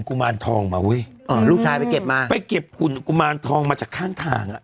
กุมารทองมาเว้ยอ่าลูกชายไปเก็บมาไปเก็บหุ่นกุมารทองมาจากข้างทางอ่ะ